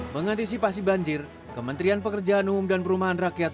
mengantisipasi banjir kementerian pekerjaan umum dan perumahan rakyat